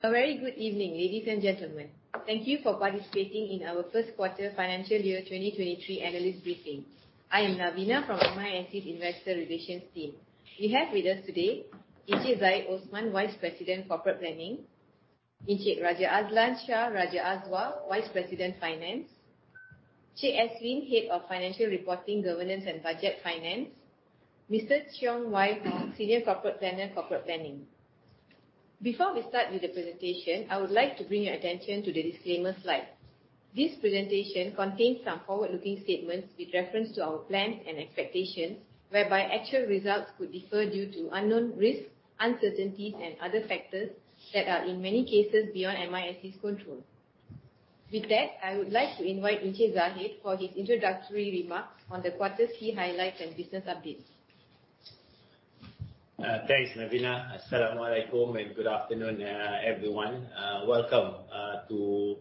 A very good evening, ladies and gentlemen. Thank you for participating in our first quarter financial year 2023 analyst briefing. I am Navina from MISC Investor Relations team. We have with us today Encik Zahid Osman, Vice President, Corporate Planning. Encik Raja Azlan Shah Raja Azwa, Vice President, Finance. Cik Eslyn, Head of Financial Reporting, Governance and Budget, Finance. Mr. Cheong Wye Kong, Senior Corporate Planner, Corporate Planning. Before we start with the presentation, I would like to bring your attention to the disclaimer slide. This presentation contains some forward-looking statements with reference to our plans and expectations, whereby actual results could differ due to unknown risks, uncertainties, and other factors that are in many cases beyond MISC's control. With that, I would like to invite Encik Zahid for his introductory remarks on the quarter's key highlights and business updates. Thanks, Navina. Assalamualaikum and good afternoon, everyone. Welcome to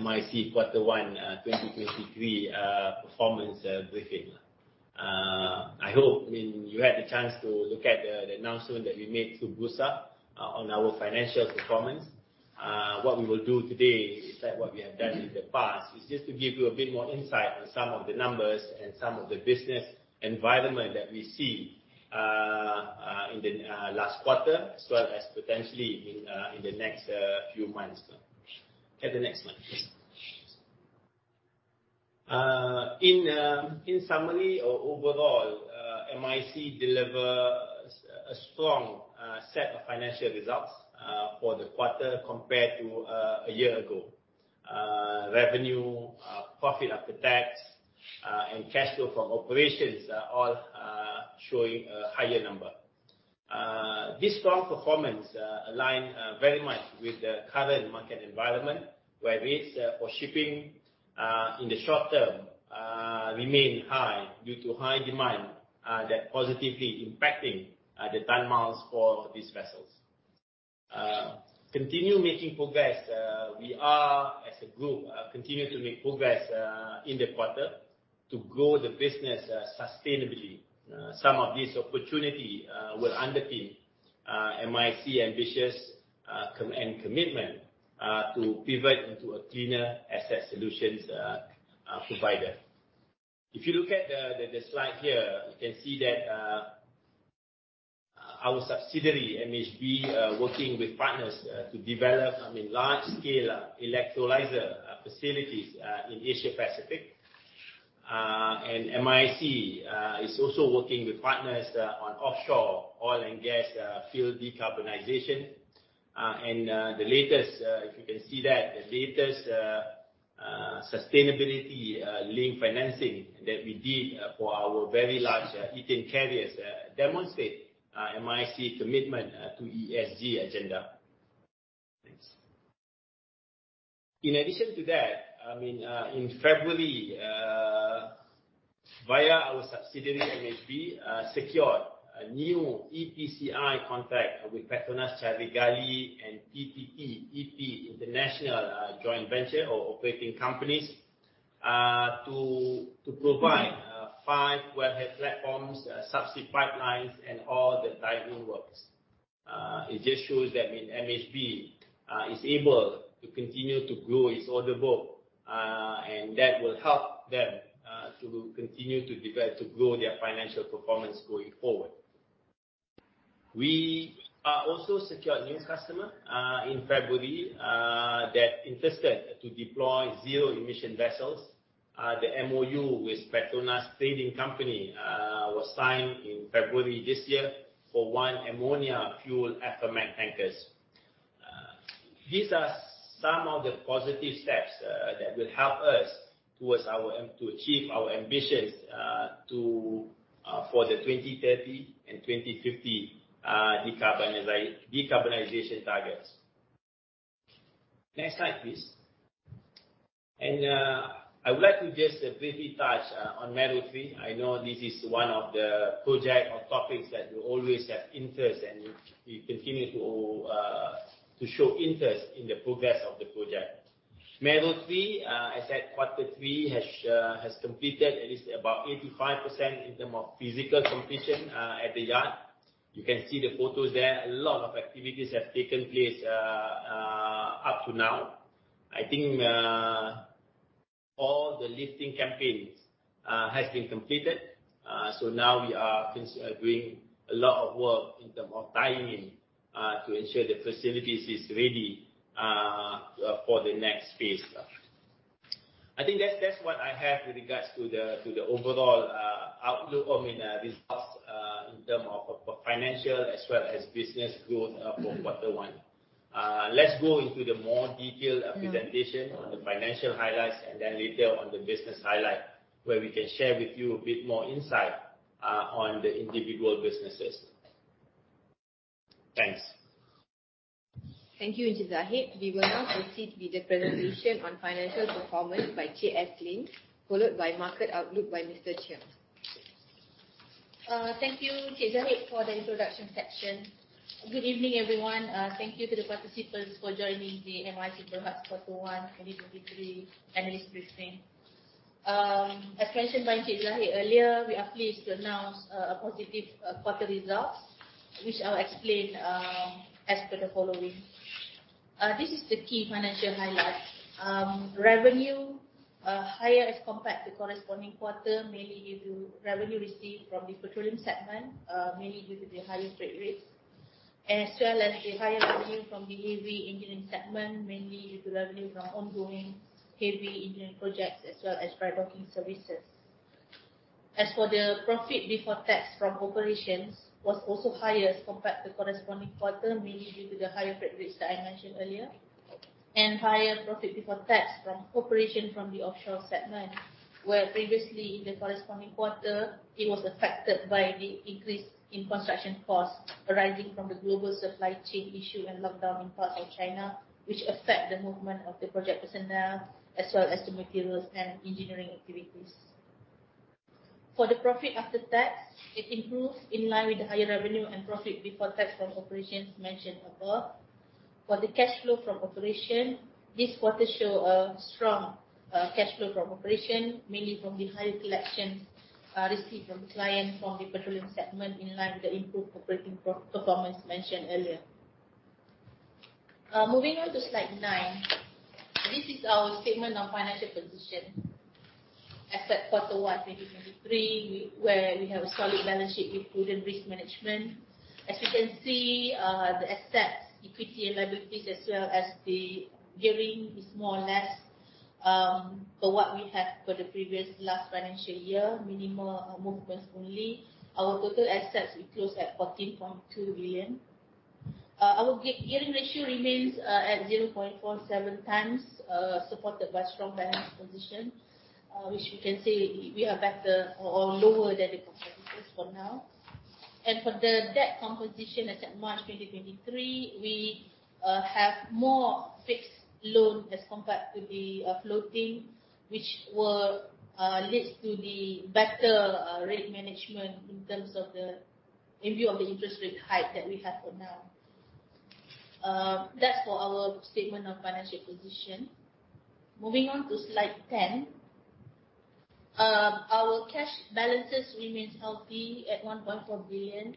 MISC quarter one 2023 performance briefing. I hope you had the chance to look at the announcement that we made to Bursa on our financial performance. What we will do today is that what we have done in the past, is just to give you a bit more insight on some of the numbers and some of the business environment that we see in the last quarter, as well as potentially in the next few months. Look at the next slide. In summary or overall, MISC deliver a strong set of financial results for the quarter compared to a year ago. Revenue, profit after tax, and cash flow from operations are all showing a higher number. This strong performance align very much with the current market environment, where rates for shipping in the short term remain high due to high demand that positively impacting the ton-miles for these vessels. We are as a group, continue to make progress in the quarter to grow the business sustainably. Some of this opportunity will underpin MISC ambitious and commitment to pivot into a cleaner asset solutions provider. If you look at the slide here, you can see that our subsidiary, MHB, working with partners to develop large-scale electrolyzer facilities in Asia Pacific. MISC is also working with partners on offshore oil and gas field decarbonization. The latest, if you can see that, the latest sustainability link financing that we did for our very large ethane carriers demonstrate MISC commitment to ESG agenda. Thanks. In addition to that, in February, via our subsidiary MHB, secured a new EPCI contract with PETRONAS Carigali and PTTEP International joint venture or operating companies, to provide five wellhead platforms, subsea pipelines, and all the tie-in works. It just shows that MHB is able to continue to grow its order book, and that will help them to continue to grow their financial performance going forward. We also secured new customer in February that interested to deploy zero emission vessels. The MoU with PETRONAS Trading Corporation was signed in February this year for one ammonia fuel FMCT tankers. These are some of the positive steps that will help us to achieve our ambitions for the 2030 and 2050 decarbonization targets. Next slide, please. I would like to just briefly touch on Mero 3. I know this is one of the project or topics that you always have interest, and you continue to show interest in the progress of the project. Mero 3, as at quarter three has completed at least about 85% in term of physical completion at the yard. You can see the photos there. A lot of activities have taken place up to now. I think all the lifting campaigns has been completed. Now we are doing a lot of work in term of tying in to ensure the facilities is ready for the next phase. I think that's what I have with regards to the overall outlook, I mean, results in term of financial as well as business growth for quarter one. Let's go into the more detailed presentation on the financial highlights, then later on the business highlight, where we can share with you a bit more insight on the individual businesses. Thanks. Thank you, Encik Zahid. We will now proceed with the presentation on financial performance by Cik Eslyn, followed by market outlook by Mr. Cheong. Thank you, Encik Zahid, for the introduction section. Good evening, everyone. Thank you to the participants for joining the MISC Berhad quarter one 2023 analyst briefing. As mentioned by Uncle Zaheer earlier, we are pleased to announce positive quarter results, which I'll explain as per the following. This is the key financial highlight. Revenue higher as compared to corresponding quarter, mainly due to revenue received from the petroleum segment, mainly due to the higher freight rates, as well as the higher revenue from the heavy engineering segment, mainly due to revenue from ongoing heavy engineering projects as well as dry docking services. As for the profit before tax from operations was also higher compared to corresponding quarter, mainly due to the higher freight rates that I mentioned earlier, and higher profit before tax from operations from the Offshore segment, where previously in the corresponding quarter it was affected by the increase in construction costs arising from the global supply chain issue and lockdown in parts of China, which affected the movement of the project personnel as well as the materials and engineering activities. For the profit after tax, it improved in line with the higher revenue and profit before tax from operations mentioned above. For the cash flow from operation, this quarter showed a strong cash flow from operation, mainly from the higher collection received from the client from the Petroleum segment, in line with the improved operating performance mentioned earlier. Moving on to slide nine. This is our statement on financial position. As at quarter one, 2023, where we have a solid balance sheet with prudent risk management. As we can see, the assets, equity and liabilities, as well as the gearing, is more or less for what we had for the previous last financial year. Minimal movements only. Our total assets will close at $14.2 billion. Our gearing ratio remains at 0.47 times, supported by strong balance position, which we can say we are better or lower than the competitors for now. For the debt composition as at March 2023, we have more fixed loan as compared to the floating, which will lead to the better rate management in view of the interest rate hike that we have for now. That's for our statement of financial position. Moving on to slide 10. Our cash balances remains healthy at $1.4 billion,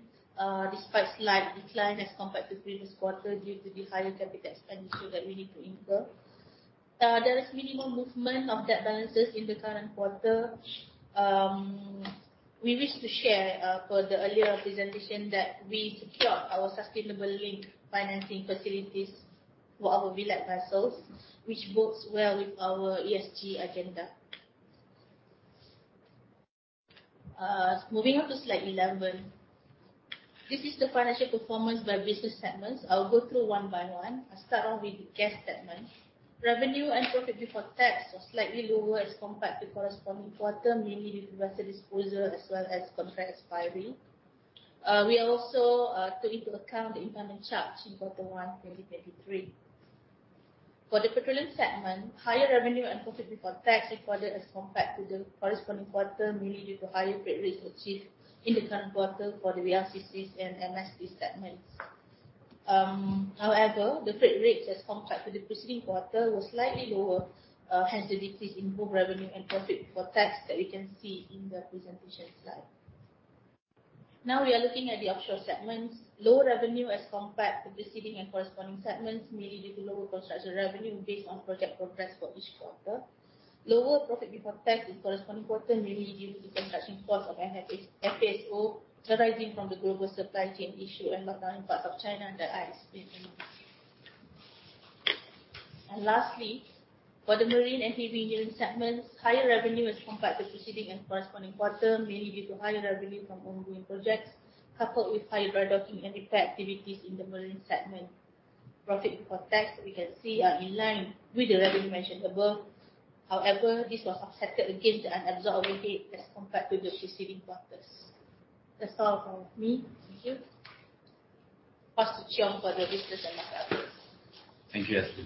despite slight decline as compared to previous quarter due to the higher capital expenditure that we need to incur. There is minimal movement of debt balances in the current quarter. We wish to share for the earlier presentation that we secured our sustainable link financing facilities for our VLAC vessels, which bodes well with our ESG agenda. Moving on to slide 11. This is the financial performance by business segments. I'll go through one by one. I start off with the Gas segment. Revenue and profit before tax was slightly lower as compared to corresponding quarter, mainly due to vessel disposal as well as contract expiry. We also took into account the impairment charge in quarter one, 2023. For the Petroleum segment, higher revenue and profit before tax recorded as compared to the corresponding quarter, mainly due to higher freight rates achieved in the current quarter for the VLCCs and MSV segments. However, the freight rates as compared to the preceding quarter were slightly lower, hence the decrease in both revenue and profit before tax that we can see in the presentation slide. Now we are looking at the Offshore segments. Lower revenue as compared to preceding and corresponding segments, mainly due to lower construction revenue based on project progress for each quarter. Lower profit before tax in corresponding quarter, mainly due to the construction cost of an FPSO arising from the global supply chain issue and lockdown in parts of China that I explained earlier. Lastly, for the marine and heavy engineering segments, higher revenue as compared to preceding and corresponding quarter, mainly due to higher revenue from ongoing projects, coupled with higher dry docking and repair activities in the marine segment. Profit before tax we can see are in line with the revenue mentioned above. However, this was offset against the unabsorbed overhead as compared to the preceding quarters. That's all from me. Thank you. Pass to Cheong for the business and market outlook. Thank you, Esther.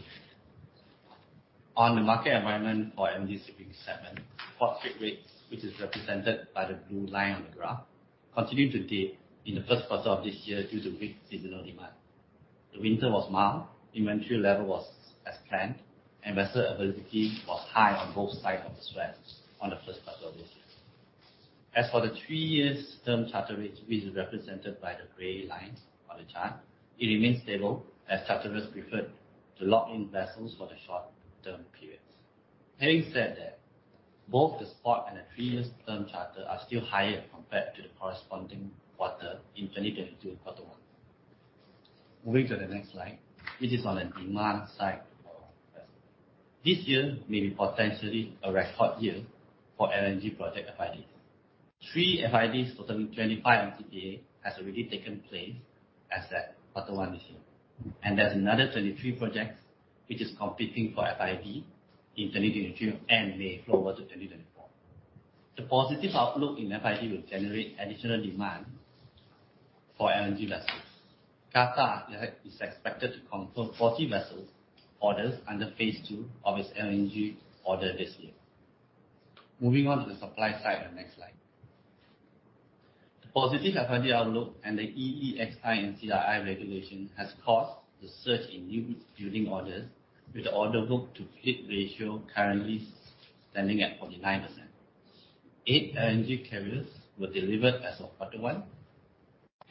On the market environment for LNG shipping segment, spot freight rates, which is represented by the blue line on the graph, continued to dip in the first quarter of this year due to weak seasonal demand. The winter was mild, inventory level was as planned, and vessel availability was high on both sides of the swath on the first quarter of this year. As for the 3 years term charter which is represented by the gray lines on the chart, it remains stable as charterers preferred to lock in vessels for the short-term periods. Having said that, both the spot and the 3 years term charter are still higher compared to the corresponding quarter in 2022 quarter 1. Moving to the next slide, which is on the demand side for our vessels. This year may be potentially a record year for LNG project FIDs. 3 FIDs totaling 25 MTPA has already taken place as at quarter 1 this year. There's another 23 projects which is competing for FID in 2023 and may flow over to 2024. The positive outlook in FID will generate additional demand for LNG vessels. Qatar is expected to confirm 40 vessel orders under phase 2 of its LNG order this year. Moving on to the supply side on the next slide. The positive economic outlook and the EEXI and CII regulation has caused the surge in new building orders with the order book to fleet ratio currently standing at 49%. 8 LNG carriers were delivered as of quarter 1,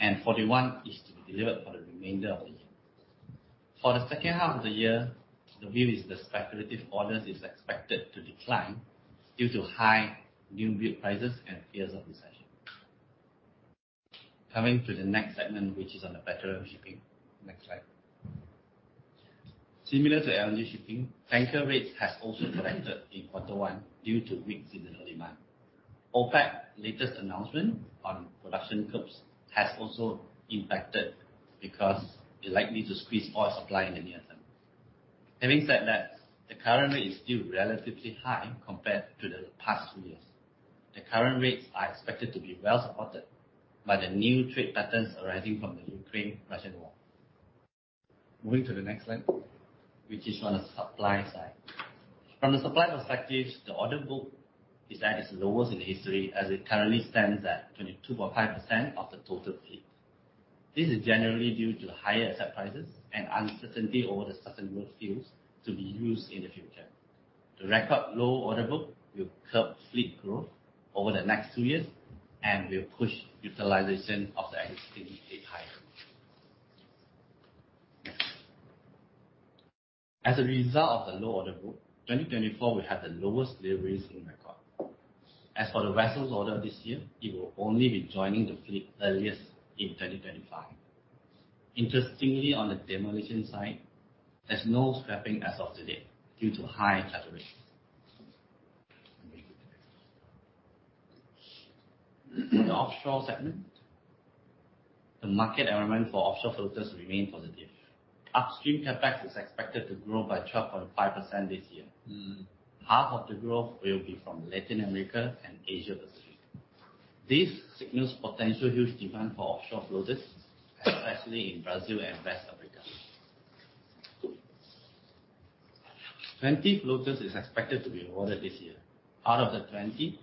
and 41 is to be delivered for the remainder of the year. For the second half of the year, the view is the speculative orders is expected to decline due to high new build prices and fears of recession. Coming to the next segment, which is on the petroleum shipping. Next slide. Similar to LNG shipping, tanker rates has also corrected in quarter 1 due to weakness in the demand. OPEC latest announcement on production curbs has also impacted because it likely to squeeze oil supply in the near term. Having said that, the current rate is still relatively high compared to the past few years. The current rates are expected to be well supported by the new trade patterns arising from the Ukraine-Russian war. Moving to the next slide, which is on the supply side. From the supply perspective, the order book is at its lowest in the history, as it currently stands at 22.5% of the total fleet. This is generally due to the higher asset prices and uncertainty over the sustainable fuels to be used in the future. The record low order book will curb fleet growth over the next two years and will push utilization of the existing fleet higher. Next. As a result of the low order book, 2024 will have the lowest deliveries in record. As for the vessels order this year, it will only be joining the fleet earliest in 2025. Interestingly, on the demolition side, there's no scrapping as of today due to high charter rates. Moving to the next slide. In the offshore segment, the market environment for offshore floaters remain positive. Upstream CapEx is expected to grow by 12.5% this year. Half of the growth will be from Latin America and Asia-Pacific. This signals potential huge demand for offshore floaters, especially in Brazil and West Africa. 20 floaters is expected to be ordered this year. Out of the 20,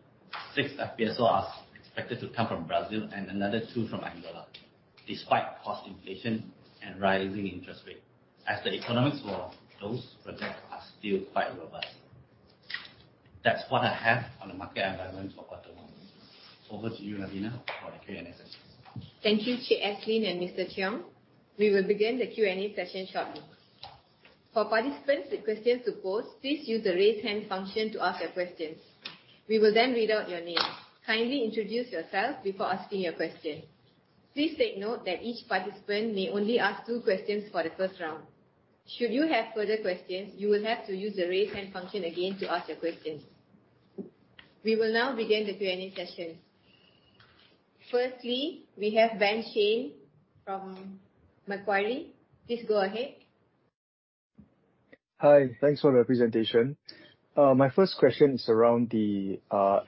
6 FPSOs are expected to come from Brazil and another two from Angola, despite cost inflation and rising interest rate, as the economics for those projects are still quite robust. That's what I have on the market environment for quarter one. Over to you, Navina, for the Q&A session. Thank you, Cik Eslyn and Mr. Tiong. We will begin the Q&A session shortly. For participants with questions to pose, please use the raise hand function to ask your questions. We will then read out your name. Kindly introduce yourself before asking your question. Please take note that each participant may only ask two questions for the first round. Should you have further questions, you will have to use the raise hand function again to ask your questions. We will now begin the Q&A session. Firstly, we have Ben Way from Macquarie. Please go ahead. Hi. Thanks for the presentation. My first question is around the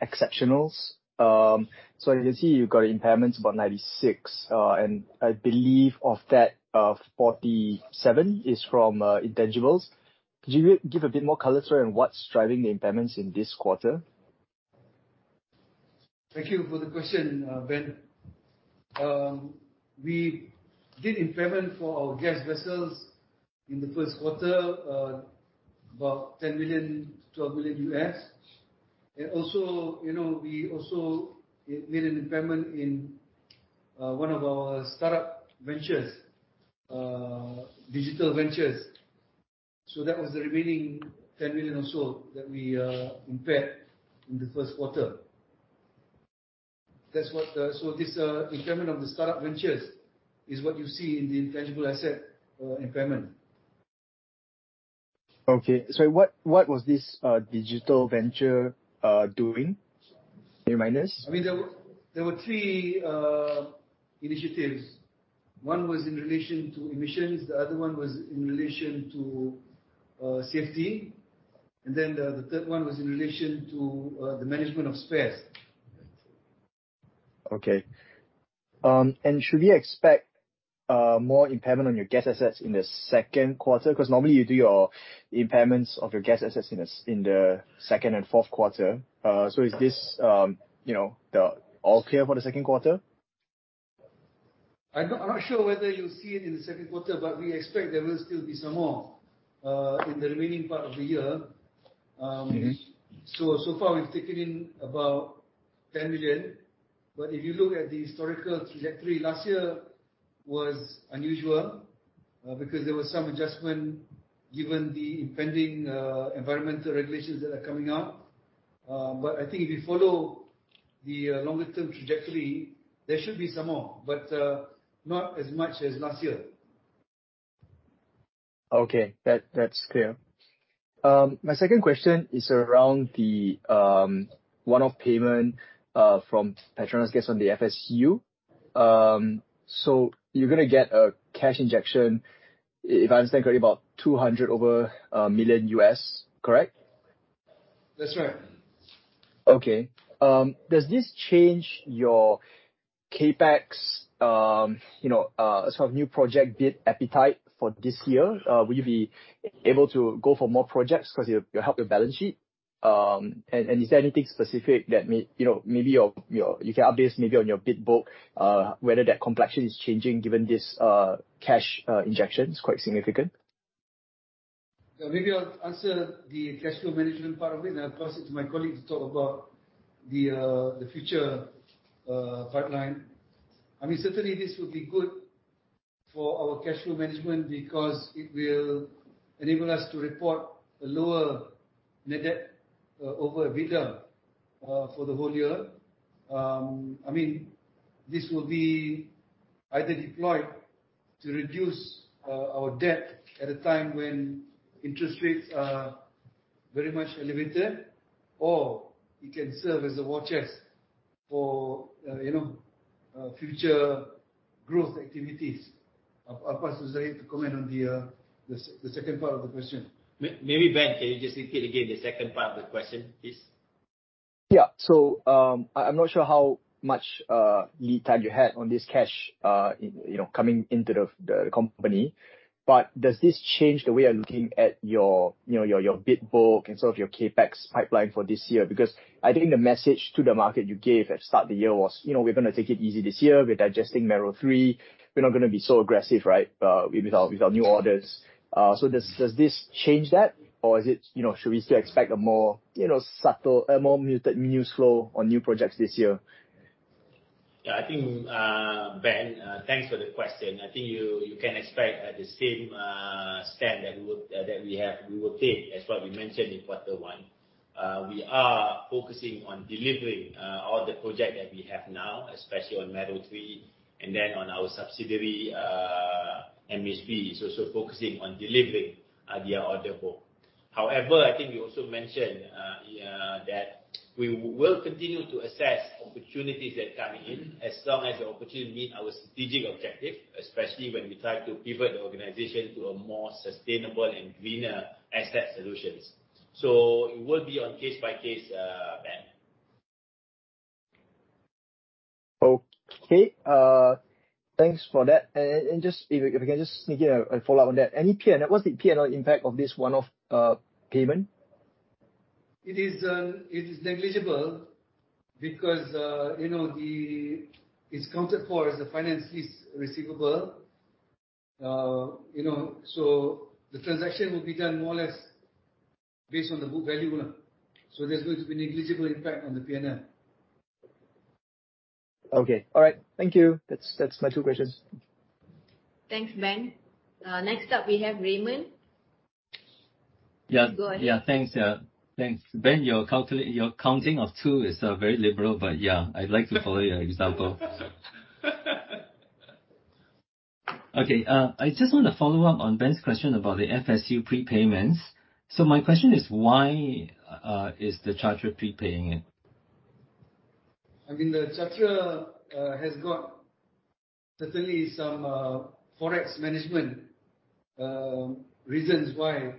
exceptionals. I can see you've got impairments about 96, and I believe of that, 47 is from intangibles. Could you give a bit more color around what's driving the impairments in this quarter? Thank you for the question, Ben. We did impairment for our gas vessels in the first quarter, about $10 million to $12 million. We also made an impairment in one of our startup ventures, digital ventures. That was the remaining $10 million or so that we impaired in the first quarter. This impairment of the startup ventures is what you see in the intangible asset impairment. Okay, sorry, what was this digital venture doing? Any reminders? There were three initiatives. One was in relation to emissions, the other one was in relation to safety, the third one was in relation to the management of spares. Okay. Should we expect more impairment on your gas assets in the second quarter? Normally you do your impairments of your gas assets in the second and fourth quarter. Is this all clear for the second quarter? I'm not sure whether you'll see it in the second quarter, but we expect there will still be some more in the remaining part of the year. Okay. Far we've taken in about $10 million. If you look at the historical trajectory, last year was unusual because there was some adjustment given the impending environmental regulations that are coming out. I think if you follow the longer-term trajectory, there should be some more, but not as much as last year. Okay. That's clear. My second question is around the one-off payment from Petronas Gas on the FSU. You're going to get a cash injection, if I understand correctly, about $200 over million, correct? That's right. Does this change your CapEx sort of new project bid appetite for this year? Will you be able to go for more projects because it will help your balance sheet? Is there anything specific that maybe you can update us on your bid book, whether that complexion is changing given this cash injection is quite significant? Maybe I'll answer the cash flow management part of it, and I'll pass it to my colleague to talk about the future pipeline. Certainly, this will be good for our cash flow management because it will enable us to report a lower net debt over EBITDA for the whole year. This will be either deployed to reduce our debt at a time when interest rates are very much elevated, or it can serve as a war chest for future growth activities. I'll pass to Zu'ai to comment on the second part of the question. Maybe, Ben, can you just repeat again the second part of the question, please? Yeah. I'm not sure how much lead time you had on this cash coming into the company. Does this change the way you're looking at your bid book and some of your CapEx pipeline for this year? I think the message to the market you gave at the start of the year was, we're going to take it easy this year. We're digesting Mero 3. We're not going to be so aggressive, with our new orders. Does this change that, should we still expect a more subtle, a more muted news flow on new projects this year? Ben, thanks for the question. I think you can expect the same stand that we will take as what we mentioned in quarter one. We are focusing on delivering all the projects that we have now, especially on Mero 3, and then on our subsidiary, MHB, is also focusing on delivering their order book. However, I think we also mentioned that we will continue to assess opportunities that are coming in as long as the opportunity meets our strategic objective, especially when we try to pivot the organization to a more sustainable and greener asset solutions. It will be on a case-by-case, Ben. Thanks for that. If we can just sneak in a follow-up on that. What's the P&L impact of this one-off payment? It is negligible because it's counted for as a finance lease receivable. The transaction will be done more or less based on the book value. There's going to be negligible impact on the P&L. Thank you. That's my two questions. Thanks, Ben. Next up we have Raymond. Yeah. Go ahead. Yeah, thanks. Ben, your counting of two is very liberal. Yeah, I'd like to follow your example. Okay. I just want to follow up on Ben's question about the FSU prepayments. My question is, why is the Chartra prepaying it? The Chartra has got certainly some forex management reasons why.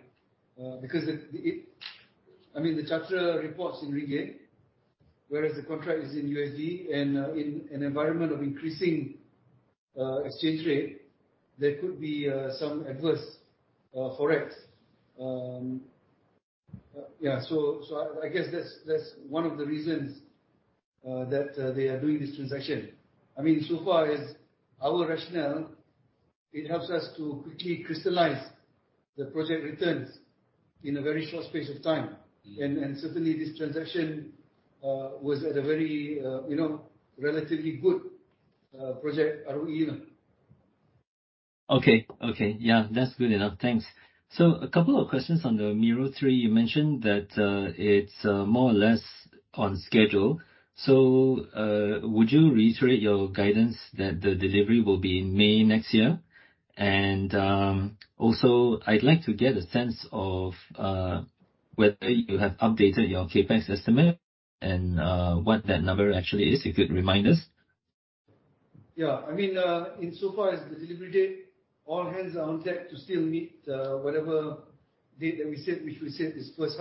The Chartra reports in MYR, whereas the contract is in USD. In an environment of increasing exchange rate, there could be some adverse forex. I guess that's one of the reasons that they are doing this transaction. Far as our rationale, it helps us to quickly crystallize the project returns in a very short space of time. Certainly, this transaction was at a very relatively good project ROE. Okay. Yeah, that's good enough. Thanks. A couple of questions on the Mero 3. You mentioned that it's more or less on schedule. Would you reiterate your guidance that the delivery will be in May next year? Also I'd like to get a sense of whether you have updated your CapEx estimate and what that number actually is. If you could remind us. Insofar as the delivery date, all hands are on deck to still meet whatever date that we said, which we said is towards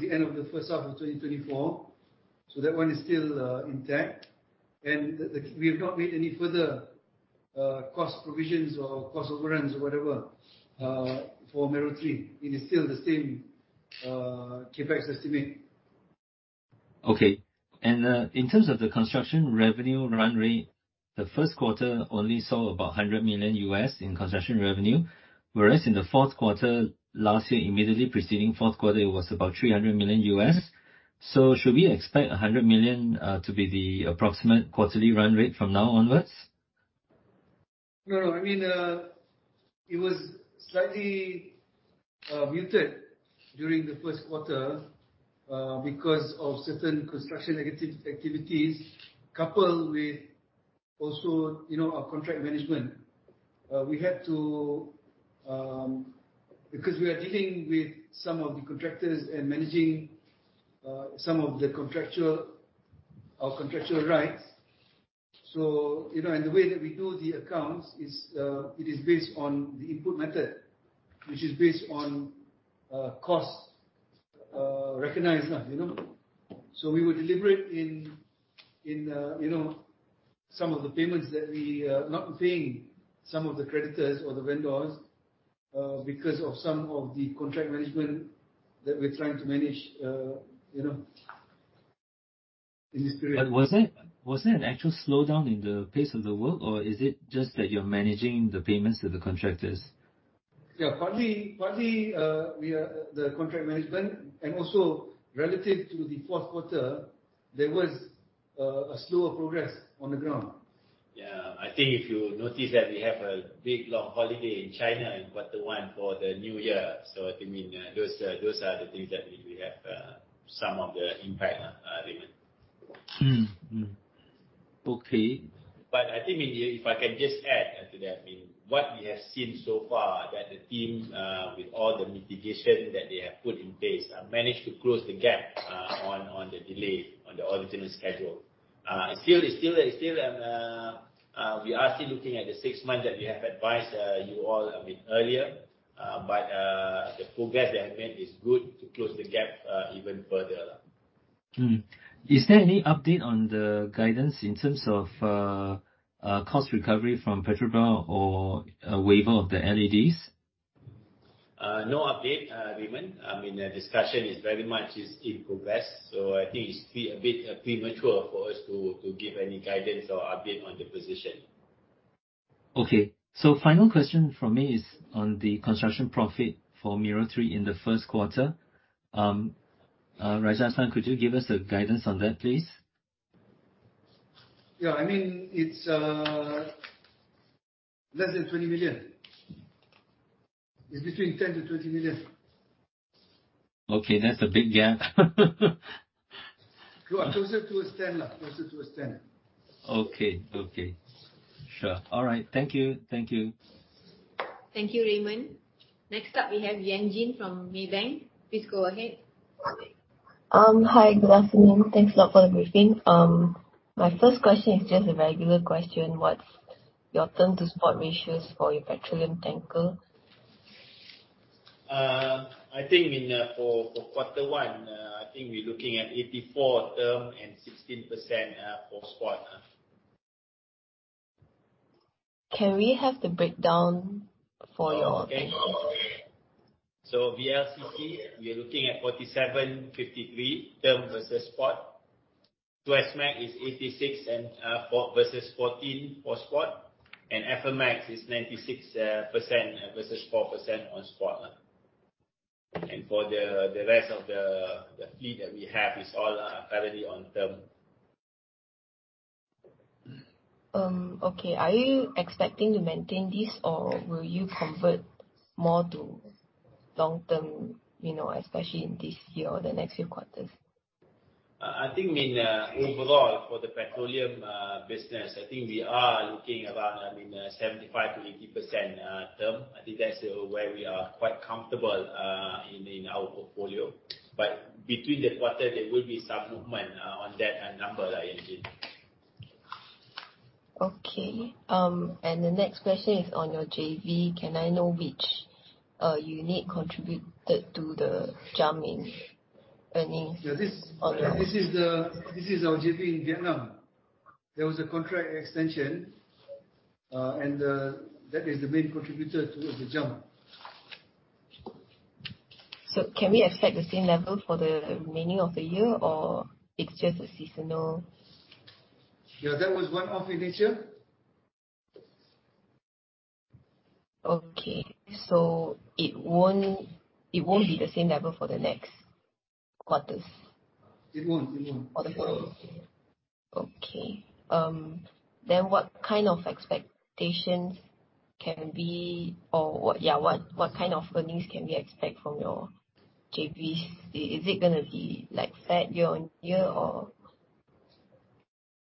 the end of the first half of 2024. That one is still intact. We have not made any further cost provisions or cost overruns or whatever for Mero 3. It is still the same CapEx estimate. Okay. In terms of the construction revenue run rate, the first quarter only saw about $100 million in construction revenue, whereas in the fourth quarter last year, immediately preceding the fourth quarter, it was about $300 million. Should we expect $100 million to be the approximate quarterly run rate from now onwards? No. It was slightly muted during the first quarter because of certain construction negative activities coupled with also our contract management. Because we are dealing with some of the contractors and managing some of our contractual rights. The way that we do the accounts, it is based on the input method, which is based on cost recognized. We would deliberate some of the payments that we are not paying some of the creditors or the vendors because of some of the contract management that we're trying to manage in this period. Was there an actual slowdown in the pace of the work, or is it just that you're managing the payments to the contractors? Partly the contract management and also relative to the fourth quarter, there was a slower progress on the ground. I think if you notice that we have a big long holiday in China in quarter one for the new year. I think those are the things that we have some of the impact, Raymond. Okay. I think maybe if I can just add to that, what we have seen so far that the teams, with all the mitigation that they have put in place, have managed to close the gap on the delay on the original schedule. We are still looking at the six months that we have advised you all a bit earlier, the progress they have made is good to close the gap even further. Is there any update on the guidance in terms of cost recovery from Petrobras or a waiver of the LDs? No update, Raymond. Discussion is very much in progress, so I think it's a bit premature for us to give any guidance or update on the position. Okay. Final question from me is on the construction profit for Mero 3 in the first quarter. Raja Azlan, could you give us a guidance on that, please? Yeah, it's less than $20 million. It's between $10 million-$20 million. Okay. That's a big gap. Closer towards 10. Okay. Sure. All right. Thank you. Thank you, Raymond. Next up we have Yan Jin from Maybank. Please go ahead. Hi. Good afternoon. Thanks a lot for the briefing. My first question is just a regular question. What's your term to spot ratios for your petroleum tanker? I think for quarter one, we're looking at 84 term and 16% for spot. Can we have the breakdown for your- Okay. VLCC, we are looking at 47, 53 term versus spot. Suezmax is 86 versus 14 for spot, and Aframax is 96% versus 4% on spot. For the rest of the fleet that we have is all fairly on term. Okay. Are you expecting to maintain this or will you convert more to long-term, especially in this year or the next few quarters? I think overall for the petroleum business, I think we are looking around 75%-80% term. I think that's where we are quite comfortable in our portfolio. Between the quarter, there will be some movement on that number, Yan Jin. Okay. The next question is on your JV. Can I know which unit contributed to the jump in earnings? This is our JV in Vietnam. There was a contract extension, that is the main contributor to the jump. Can we expect the same level for the remaining of the year, or it's just a seasonal? Yeah, that was one-off nature. Okay. It won't be the same level for the next quarters? It won't. Okay. What kind of expectations can be or what kind of earnings can we expect from your JVs? Is it going to be flat year-on-year or?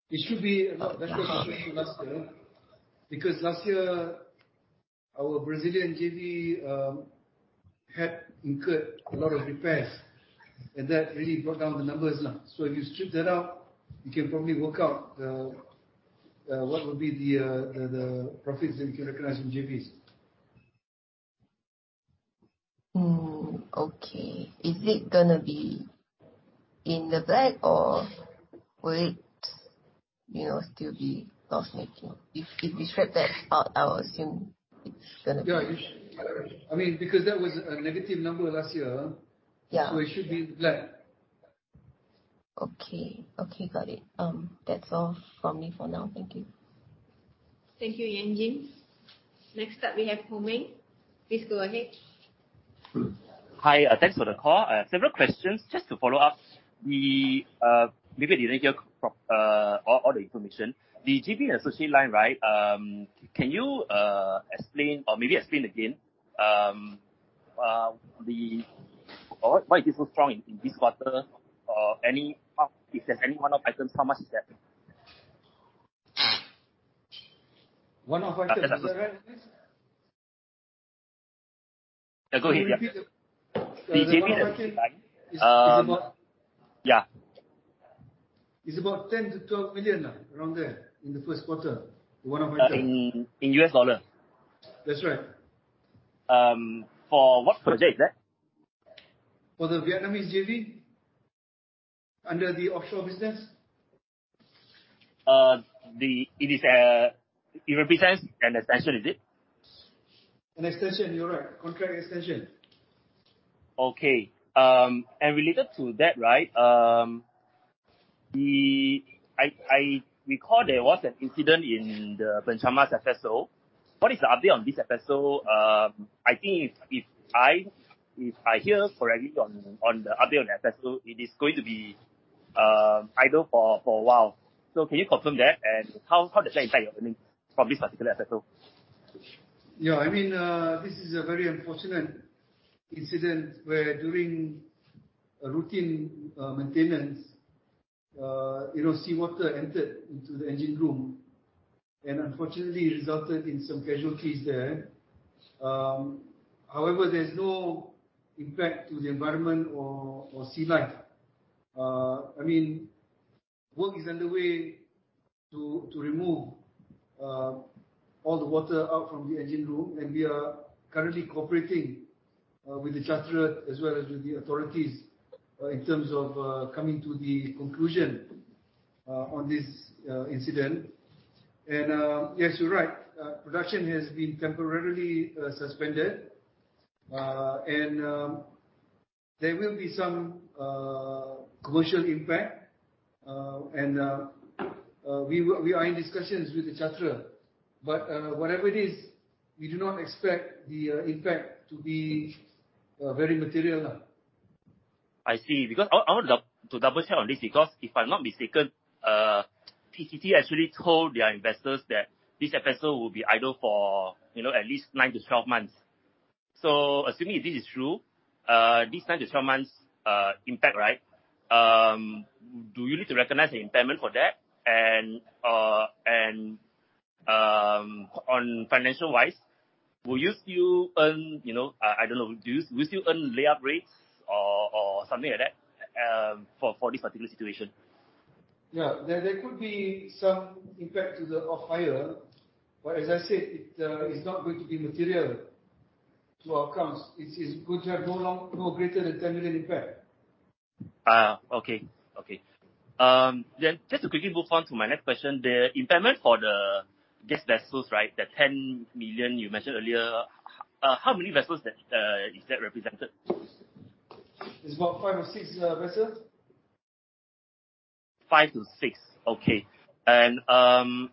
It should be a lot better than last year, last year, our Brazilian JV had incurred a lot of repairs, and that really brought down the numbers. If you strip that out, you can probably work out what would be the profits that we can recognize in JVs. Okay. Is it going to be in the black or will it still be loss-making? If we strip that out, I will assume it's going to be. Yeah. That was a negative number last year. Yeah. it should be black. Okay, got it. That's all from me for now. Thank you. Thank you, Yan Jin. Next up, we have Ho Meng. Please go ahead. Hi. Thanks for the call. Several questions. Just to follow up. Maybe I didn't hear all the information. The JV and associate line, right? Can you explain or maybe explain again, why it is so strong in this quarter? Or if there's any one-off items, how much is that? One-off item. Is that right, Azlan? Go ahead. Yeah. The JV and associate line. Yeah. It's about 10 million-12 million, around there, in the first quarter. The one-off item. In US dollar? That's right. For what project? For the Vietnamese JV under the offshore business? It represents an extension, is it? An extension, you're right. Contract extension. Okay. Related to that, I recall there was an incident in the Cendor FPSO. What is the update on this FPSO? I think if I hear correctly on the update on the FPSO, it is going to be idle for a while. Can you confirm that? How does that impact your earnings from this particular FPSO? Yeah. This is a very unfortunate incident where during a routine maintenance, seawater entered into the engine room and unfortunately resulted in some casualties there. However, there is no impact to the environment or sea life. Work is underway to remove all the water out from the engine room, and we are currently cooperating with the charterer as well as with the authorities in terms of coming to the conclusion on this incident. Yes, you're right. Production has been temporarily suspended. There will be some commercial impact. We are in discussions with the charterer. Whatever it is, we do not expect the impact to be very material. I see. I want to double-check on this, if I'm not mistaken, PTT actually told their investors that this FPSO will be idle for at least 9-12 months. Assuming if this is true, this 9-12 months impact, do you need to recognize the impairment for that? And on financial-wise, will you still earn lay-up rates or something like that for this particular situation? Yeah. There could be some impact to the off-hire. As I said, it is not going to be material to our accounts. It is going to have no greater than 10 million impact. Okay. Just to quickly move on to my next question, the impairment for the gas vessels, that 10 million you mentioned earlier, how many vessels is that represented? It's about five or six vessels. 5 to 6. Okay. The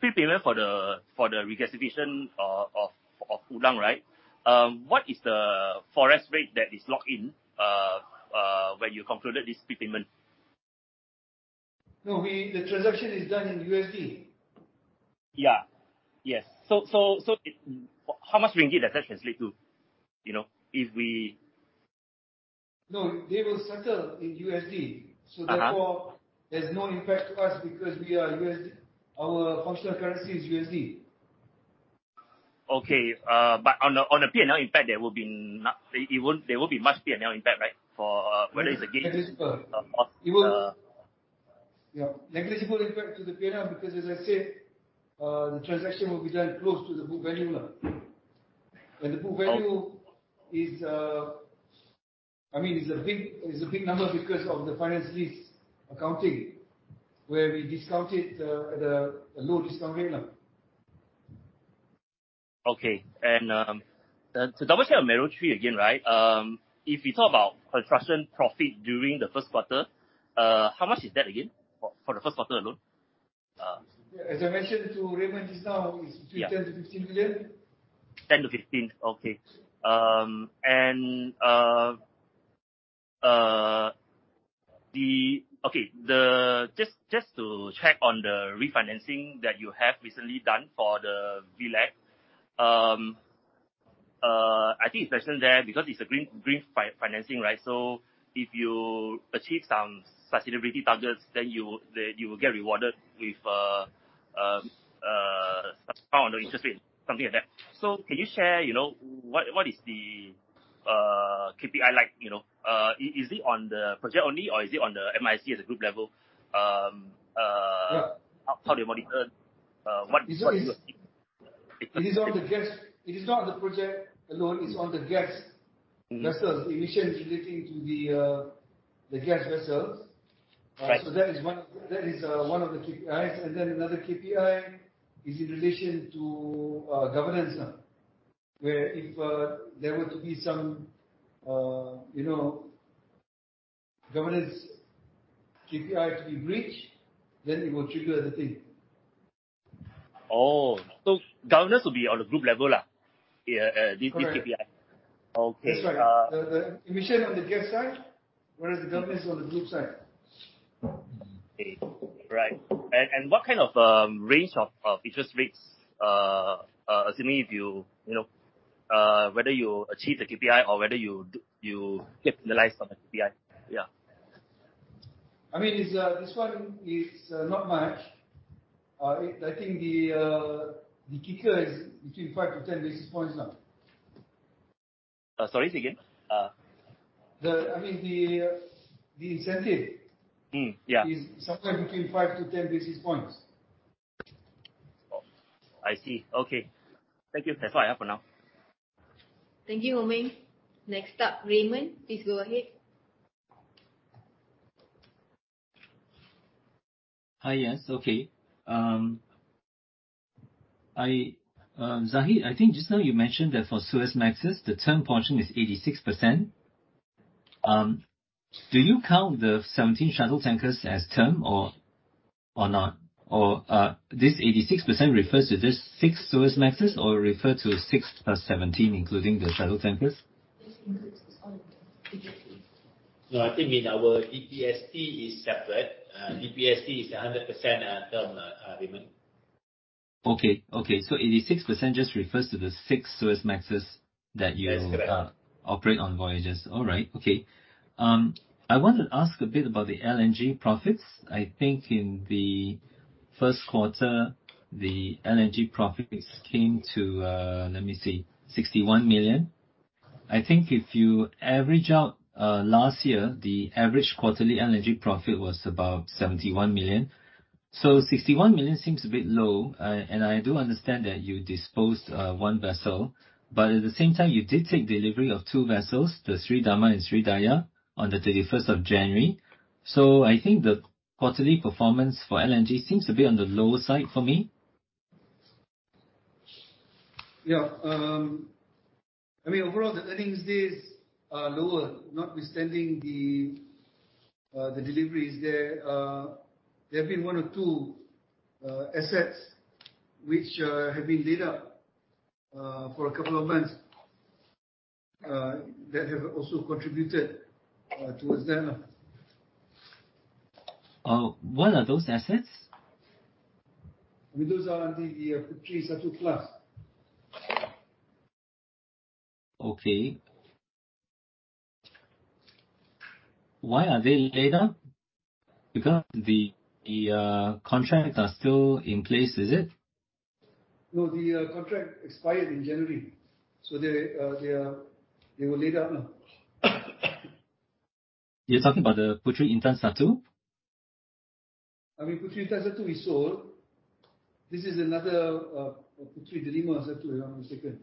prepayment for the regasification of Pengerang, what is the forward rate that is locked in when you concluded this prepayment? No, the transaction is done in USD. Yeah. Yes. How much ringgit does that translate to? No, they will settle in USD. Therefore, there's no impact to us because our functional currency is USD. On the P&L impact, there won't be much P&L impact, right? For whether it's a gain. Negligible. loss. Negligible impact to the P&L because as I said, the transaction will be done close to the book value. The book value is a big number because of the finance lease accounting, where we discount it at a low discount rate. To double-check on Mero 3 again. If we talk about construction profit during the first quarter, how much is that again for the first quarter alone? As I mentioned to Raymond just now, it's between $10 million-$15 million. $10 million-$15 million. Okay. Just to check on the refinancing that you have recently done for the VLAC. I think it's mentioned there because it's a green financing. If you achieve some sustainability targets, then you will get rewarded with some discount on the interest rate, something like that. Can you share, what is the KPI like? Is it on the project only, or is it on the MISC as a group level? Yeah. How do you monitor what you are seeking? It is not on the project alone. It's on the gas vessels. Emissions relating to the gas vessels. Right. That is one of the KPIs. Another KPI is in relation to governance, where if there were to be some governance KPI to be breached, then it will trigger the thing. Governance will be on the group level. Correct This KPI. That's right. The emission on the gas side, whereas the governance on the group side. Okay. Right. What kind of range of interest rates, assuming if whether you achieve the KPI or whether you penalize on the KPI? Yeah. This one is not much. I think the kicker is between five to 10 basis points. Sorry, say again. The incentive Yeah is somewhere between 5 to 10 basis points. Oh, I see. Okay. Thank you. That's all I have for now. Thank you, Ho Meng. Next up, Raymond, please go ahead. Hi, yes. Okay. Zahid, I think just now you mentioned that for Suezmaxes, the term portion is 86%. Do you count the 17 shuttle tankers as term or not? This 86% refers to just six Suezmaxes or refer to six plus 17 including the shuttle tankers? It includes all of them. No, I think our VPSD is separate. VPSD is 100% term, Raymond. Okay. 86% just refers to the 6 Suezmaxes. That's correct. operate on voyages. All right. Okay. I want to ask a bit about the LNG profits. I think in the first quarter, the LNG profits came to, let me see, $61 million. I think if you average out last year, the average quarterly LNG profit was about $71 million. $61 million seems a bit low. I do understand that you disposed one vessel, but at the same time, you did take delivery of two vessels, the Seri Damai and Seri Daya, on the 31st of January. I think the quarterly performance for LNG seems a bit on the lower side for me. Yeah. Overall, the earnings this are lower, notwithstanding the deliveries there. There have been one or two assets which have been laid up for a couple of months, that have also contributed towards that. What are those assets? Those are the Puteri Satu class. Okay. Why are they laid up? Because the contracts are still in place, is it? No, the contract expired in January. They were laid up. You're talking about the Puteri Intan Satu? Puteri Intan Satu is sold. This is another, Puteri Delima Satu, hang on a second.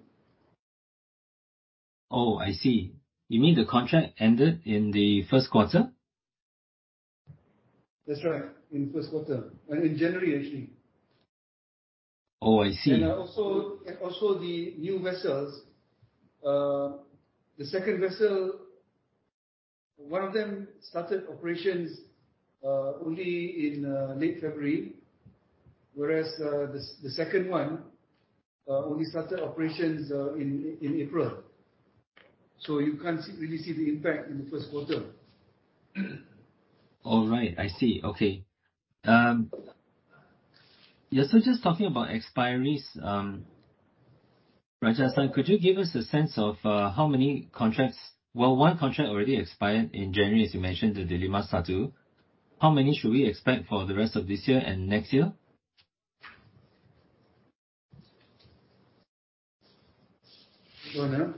Oh, I see. You mean the contract ended in the first quarter? That's right. In first quarter. In January, actually. Oh, I see. Also, the new vessels. The second vessel, one of them started operations only in late February, whereas the second one only started operations in April. You can't really see the impact in the first quarter. All right, I see. Okay. Just talking about expiries, Rajashan, could you give us a sense of how many? Well, one contract already expired in January, as you mentioned, the Delima Satu. How many should we expect for the rest of this year and next year? One.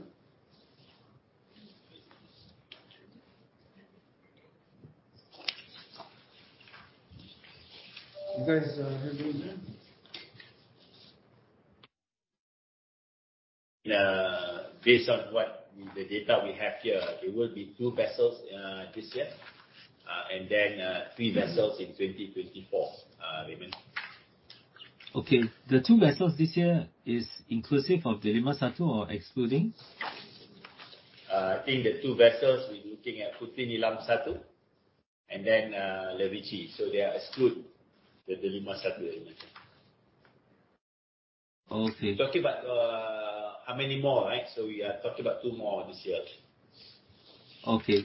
You guys have those there? Based on the data we have here, it will be two vessels this year, three vessels in 2024, Raymond. Okay. The two vessels this year is inclusive of Delima Satu or excluding? I think the two vessels, we're looking at Puteri Nilam Satu and then Letici. They are exclude the Delima Satu. Okay. Talking about how many more, right? We are talking about two more this year. Okay.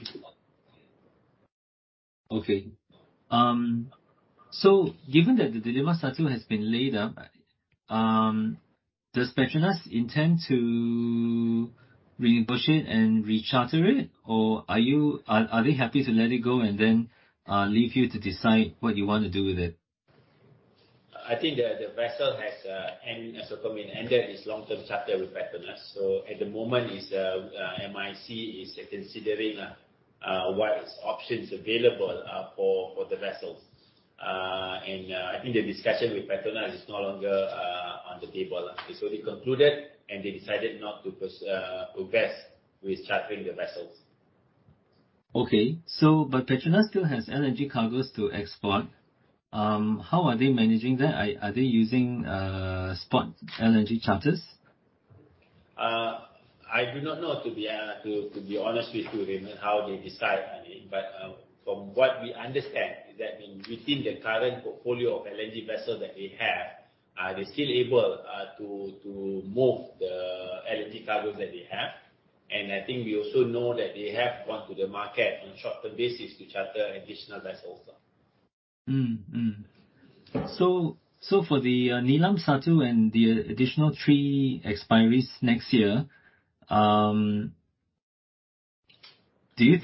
Given that the Delima Satu has been laid up, does PETRONAS intend to reimburse it and re-charter it? Are they happy to let it go and then leave you to decide what you want to do with it? I think the vessel has ended its long-term charter with PETRONAS. At the moment, MISC is considering what options available for the vessels. I think the discussion with PETRONAS is no longer on the table. They concluded, and they decided not to progress with chartering the vessels. Okay. Petronas still has LNG cargoes to export. How are they managing that? Are they using spot LNG charters? I do not know, to be honest with you, Raymond, how they decide. From what we understand is that within the current portfolio of LNG vessels that they have, they're still able to move the LNG cargoes that they have. I think we also know that they have gone to the market on a shorter basis to charter additional vessels also. For the Nilam Satu and the additional three expiries next year, do you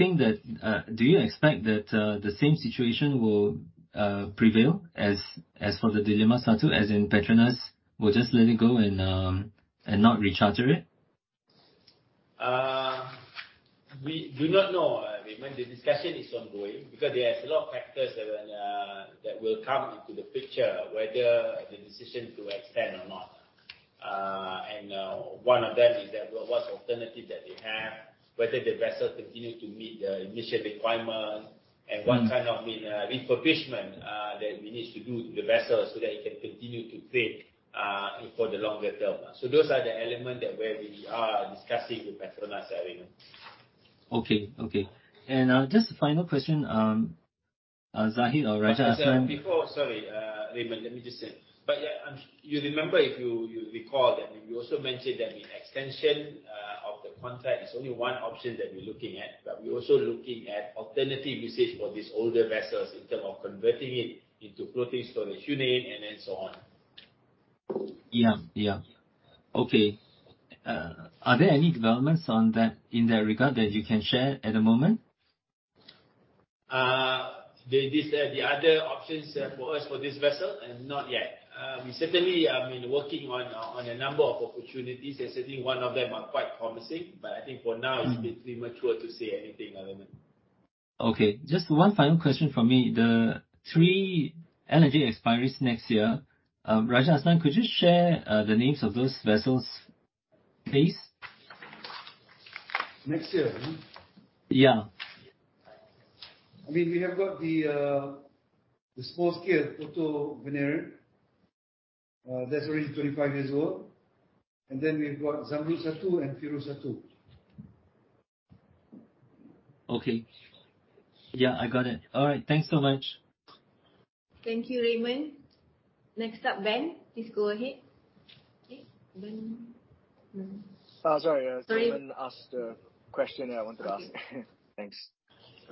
expect that the same situation will prevail as for the Delima Satu, as in Petronas will just let it go and not re-charter it? We do not know, Raymond. The discussion is ongoing because there are a lot of factors that will come into the picture, whether the decision to extend or not. One of them is what alternative they have, whether the vessel continues to meet the emission requirements, and what kind of refurbishment that we need to do to the vessel so that it can continue to trade for the longer term. Those are the elements that we are discussing with Petronas, Raymond. Okay. Just a final question, Zahid or Raja Azman. Sorry, Raymond, let me just say. You remember, if you recall, that we also mentioned that the extension of the contract is only one option that we're looking at, but we're also looking at alternative usage for these older vessels in terms of converting it into floating storage unit and then so on. Yeah. Okay. Are there any developments in that regard that you can share at the moment? The other options for us for this vessel, not yet. We certainly have been working on a number of opportunities, and certainly one of them is quite promising. I think for now it's a bit premature to say anything, Raymond. Okay. Just one final question from me. The three LNG expiries next year, Raja Azman, could you share the names of those vessels, please? Next year? Yeah. We have got the small-scale Proto Venere. That is already 25 years old. We've got Zamrud Satu and Firus Satu. Okay. Yeah, I got it. All right. Thanks so much. Thank you, Raymond. Next up, Ben, please go ahead. Okay, Ben. Sorry. Raymond asked the question that I wanted to ask. Thanks.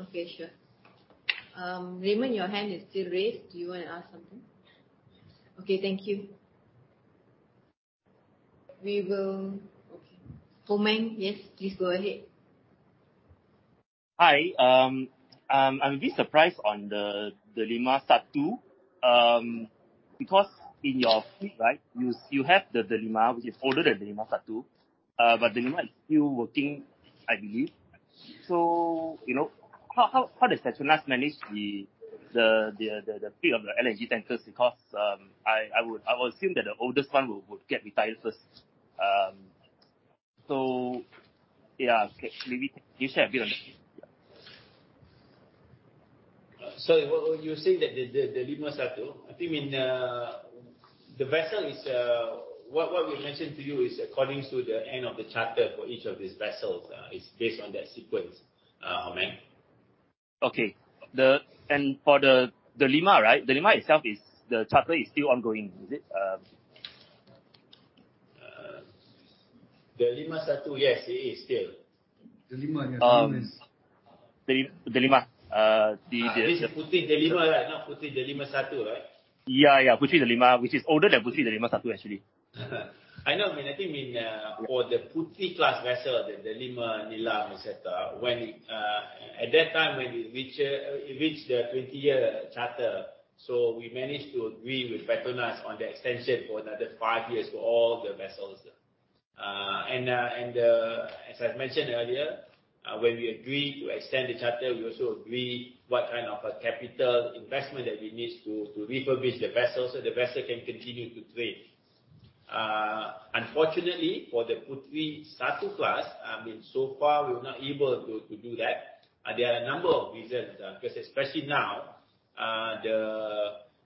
Okay, sure. Raymond, your hand is still raised. Do you want to ask something? Okay, thank you. Ho Meng, yes, please go ahead. Hi. I'm a bit surprised on the Delima Satu because in your fleet, you have the Delima, which is older than Delima Satu, but Delima is still working, I believe. How does PETRONAS manage the fleet of the LNG tankers, because I would assume that the oldest one would get retired first. Yeah, can you share a bit on that? Sorry. You're saying that the Delima Satu. I think what we mentioned to you is according to the end of the charter for each of these vessels. It's based on that sequence, Ho Meng. Okay. For the Delima, right, the Delima itself, the charter is still ongoing, is it? Delima Satu, yes, it is still. Delima. Delima. This is Puteri Delima, not Puteri Delima Satu, right? Yeah, Puteri Delima, which is older than Puteri Delima Satu, actually. I know. I think for the Puteri class vessel, the Delima, Nilam, et cetera, at that time when it reached the 20-year charter, we managed to agree with PETRONAS on the extension for another five years for all the vessels. As I've mentioned earlier, when we agreed to extend the charter, we also agreed what kind of a capital investment that we need to refurbish the vessel so the vessel can continue to trade. Unfortunately for the Puteri Satu class, so far we're not able to do that. There are a number of reasons because especially now,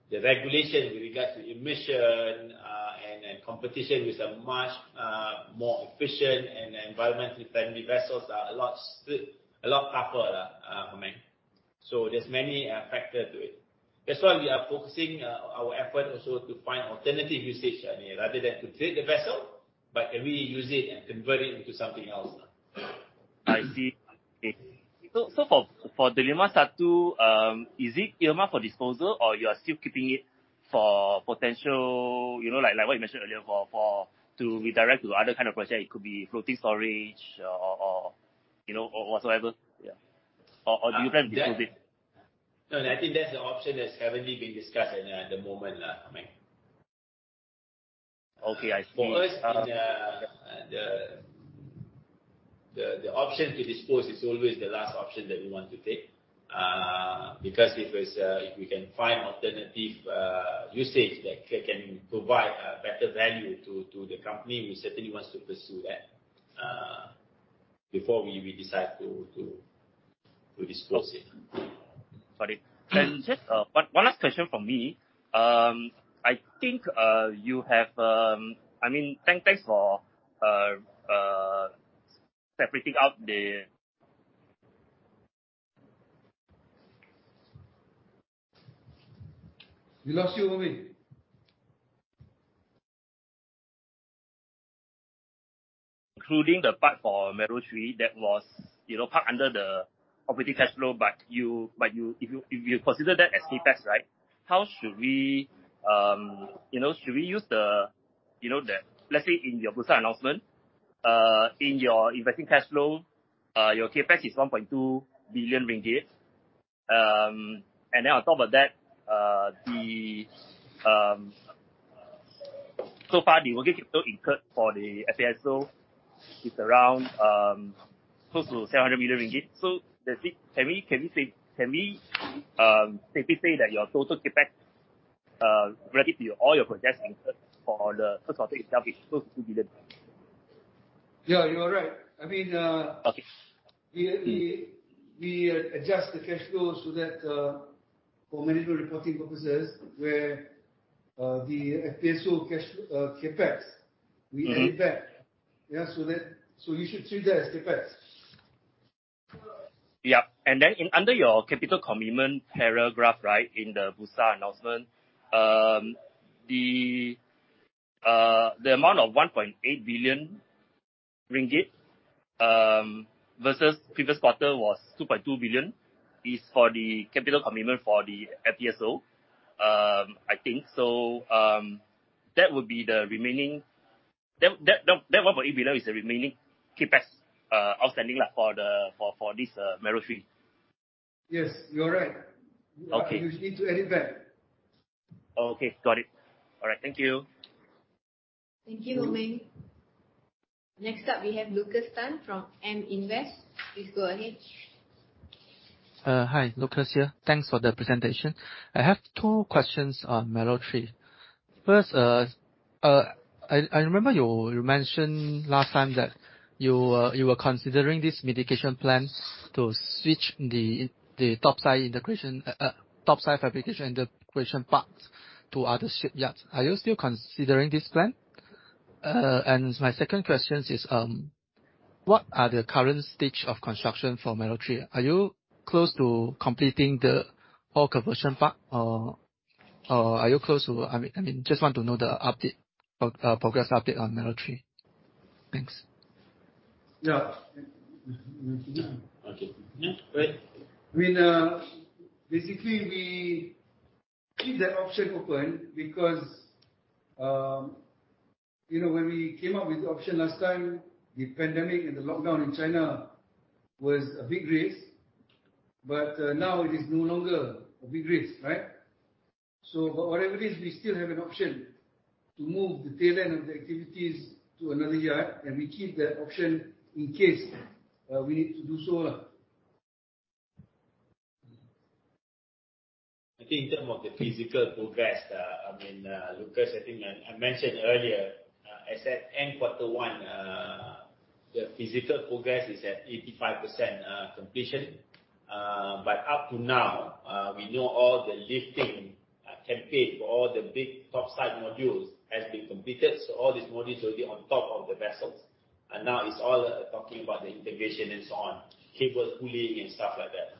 the regulation with regards to emission and competition with much more efficient and environmentally friendly vessels are a lot tougher, Ho Meng. There's many factors to it. That's why we are focusing our effort also to find alternative usage, rather than to trade the vessel, but reuse it and convert it into something else. I see. For Delima Satu, is it earmarked for disposal or you are still keeping it for potential, like what you mentioned earlier, to redirect to other kind of project? It could be floating storage or whatsoever. Or do you plan to dispose it? No, I think that's the option that's heavily been discussed at the moment, Ho Meng. Okay, I see. For us, the option to dispose is always the last option that we want to take. Because if we can find alternative usage that can provide better value to the company, we certainly want to pursue that before we decide to dispose it. Got it. Just one last question from me. We lost you, Ho Meng. Including the part for Mero 3 that was parked under the operating cash flow, but if you consider that as CapEx, right? Let's say in your Bursa announcement, in your investing cash flow, your CapEx is MYR 1.2 billion. So far, the working capital incurred for the FPSO is around close to 700 million ringgit. Can we safely say that your total CapEx related to all your projects for the first quarter itself is close to MYR 2 billion? Yeah, you are right. Okay. We adjust the cash flow for management reporting purposes, where the FPSO CapEx, we add it back. You should treat that as CapEx. Then under your capital commitment paragraph in the Bursa announcement, the amount of 1.8 billion ringgit versus previous quarter was 2.2 billion, is for the capital commitment for the FPSO, I think. So that 1.8 billion is the remaining CapEx outstanding for this Mero 3? Yes, you're right. Okay. Which need to add it back. Okay, got it. All right. Thank you. Thank you, Wing. Next up we have Lucas Tan from M&G Investments. Please go ahead. Hi, Lucas here. Thanks for the presentation. I have two questions on Mero 3. First, I remember you mentioned last time that you were considering this mitigation plans to switch the topside fabrication integration parts to other shipyards. Are you still considering this plan? My second question is, what are the current stage of construction for Mero 3? I just want to know the progress update on Mero 3. Thanks. Yeah. Okay. Basically, we keep that option open because when we came up with the option last time, the pandemic and the lockdown in China was a big risk, but now it is no longer a big risk, right? For whatever it is, we still have an option to move the tail end of the activities to another yard, and we keep that option in case we need to do so. I think in term of the physical progress, Lucas, I think I mentioned earlier, I said end quarter one, the physical progress is at 85% completion. Up to now, we know all the lifting campaign for all the big topside modules has been completed. All these modules will be on top of the vessels. Now it's all talking about the integration and so on, cable pulling and stuff like that.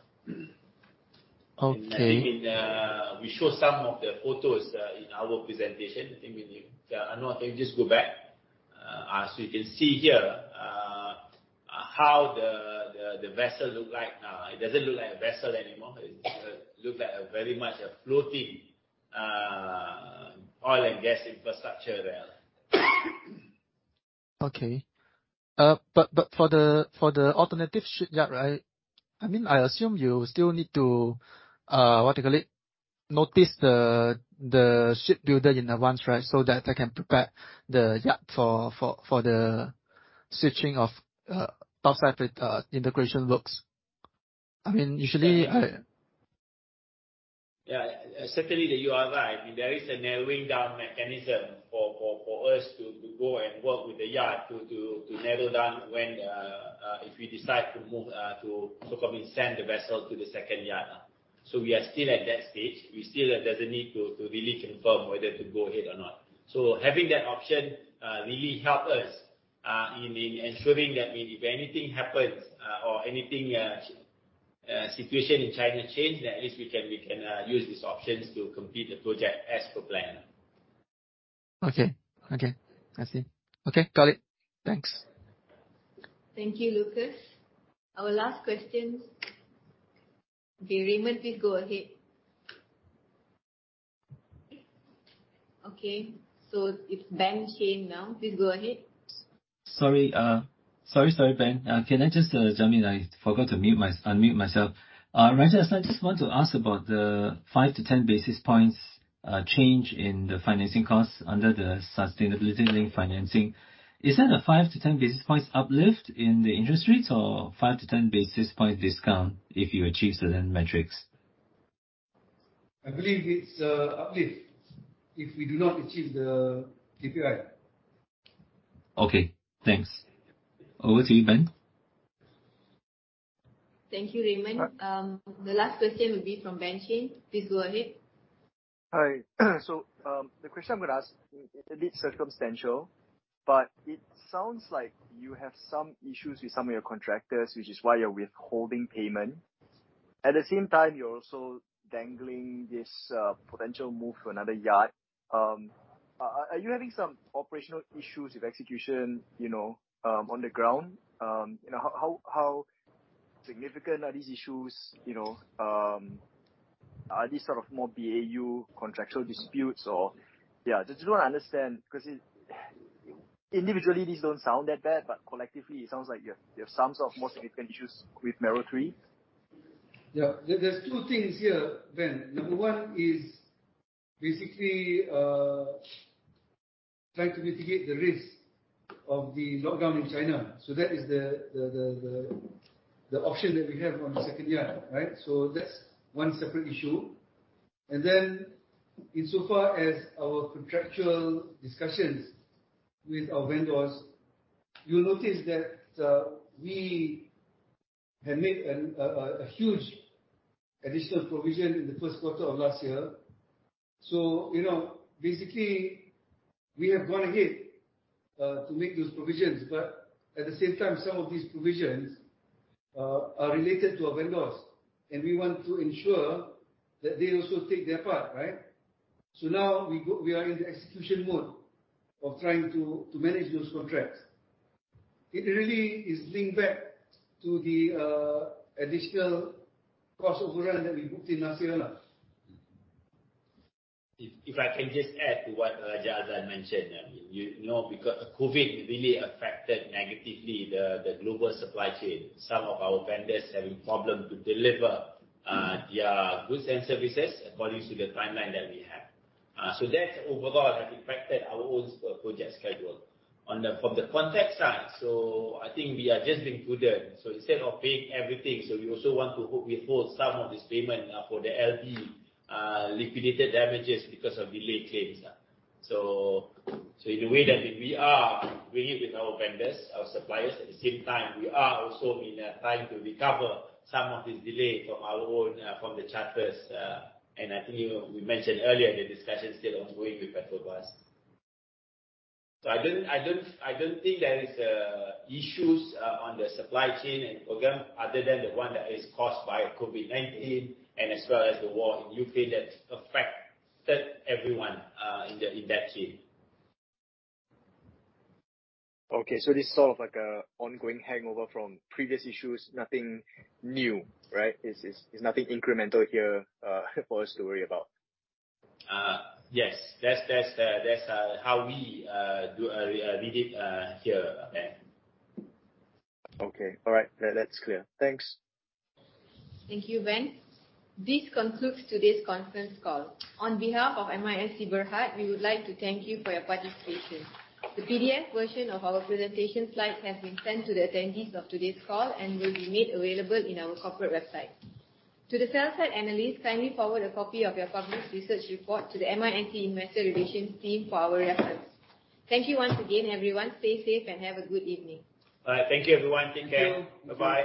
Okay. I think we show some of the photos in our presentation. I think we need Anuar, can you just go back? You can see here how the vessel look like now. It doesn't look like a vessel anymore. It look like very much a floating oil and gas infrastructure there. Okay. For the alternative shipyard, I assume you still need to notice the ship builder in advance, right? That they can prepare the yard for the switching of topside integration works. Yeah. Certainly, you are right. There is a narrowing down mechanism for us to go and work with the yard to narrow down if we decide to so call send the vessel to the second yard. We are still at that stage. We still doesn't need to really confirm whether to go ahead or not. Having that option really help us in ensuring that if anything happens or anything situation in China change, at least we can use these options to complete the project as per plan. Okay. I see. Okay, got it. Thanks. Thank you, Lucas. Our last question. Raymond, please go ahead. Okay. It's Ben Chen now, please go ahead. Sorry, Ben. Can I just jump in? I forgot to unmute myself. I just want to ask about the 5-10 basis points change in the financing costs under the sustainability-linked financing. Is that a 5-10 basis points uplift in the interest rates or 5-10 basis points discount if you achieve certain metrics? I believe it's an uplift if we do not achieve the KPI. Thanks. Over to you, Ben. Thank you, Raymond. The last question will be from Ben Chen. Please go ahead. Hi. The question I'm going to ask is a bit circumstantial, but it sounds like you have some issues with some of your contractors, which is why you're withholding payment. At the same time, you're also dangling this potential move to another yard. Are you having some operational issues with execution on the ground? How significant are these issues? Are these sort of more BAU contractual disputes or? Yeah, I just want to understand because individually these don't sound that bad, but collectively it sounds like you have some sort of more significant issues with Mero 3. Yeah. There's two things here, Ben. Number one is basically trying to mitigate the risk of the lockdown in China. That is the option that we have on the second yard. Insofar as our contractual discussions with our vendors, you'll notice that we have made a huge additional provision in the first quarter of last year. Basically, we have gone ahead to make those provisions, but at the same time, some of these provisions are related to our vendors, and we want to ensure that they also take their part. Now we are in the execution mode of trying to manage those contracts. It really is linked back to the additional cost overrun that we booked in last year. If I can just add to what Azlan mentioned. COVID really affected negatively the global supply chain. Some of our vendors having problem to deliver their goods and services according to the timeline that we have. That overall has impacted our own project schedule. From the contract side, I think we are just being prudent. Instead of paying everything, we also want to withhold some of this payment for the LD, Liquidated Damages, because of delay claims. In a way that we are bringing with our vendors, our suppliers. At the same time, we are also in a time to recover some of this delay from the charters. I think we mentioned earlier the discussion still ongoing with Petrobras. I don't think there is issues on the supply chain and program other than the one that is caused by COVID-19 and as well as the war in Ukraine that affected everyone in that chain. Okay, this is sort of like an ongoing hangover from previous issues. Nothing new, right? It's nothing incremental here for us to worry about. Yes. That's how we read it here, Ben. Okay. All right. That's clear. Thanks. Thank you, Ben. This concludes today's conference call. On behalf of MISC Berhad, we would like to thank you for your participation. The PDF version of our presentation slides has been sent to the attendees of today's call and will be made available in our corporate website. To the sell-side analysts, kindly forward a copy of your published research report to the MISC Investor Relations team for our records. Thank you once again, everyone. Stay safe and have a good evening. All right. Thank you, everyone. Take care. Bye-bye.